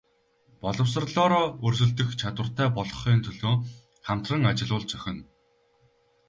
Боловсролоороо өрсөлдөх чадвартай болгохын төлөө хамтран ажиллавал зохино.